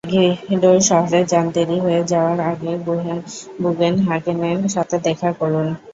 Megiddo শহরে যান, দেরি হয়ে যাওয়ার আগেই বুগেনহাগেনের সাথে দেখা করুন!